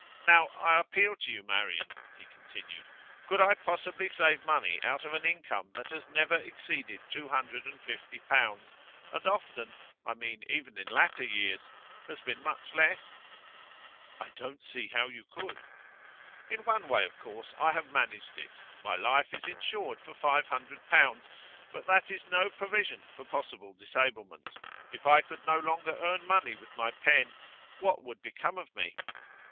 'Now, I appeal to you, Marian,' he continued: 'could I possibly save money out of an income that has never exceeded two hundred and fifty pounds, and often I mean even in latter years has been much less?' 'I don't see how you could.' 'In one way, of course, I have managed it. My life is insured for five hundred pounds. But that is no provision for possible disablement. If I could no longer earn money with my pen, what would become of me?